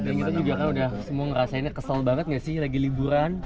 dan kita juga kan udah semua ngerasain kesel banget gak sih lagi liburan